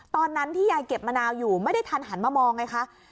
ตอนนั้นที่ยายเก็บมะนาวอยู่ไม่ได้ทันหันมามองไงคะ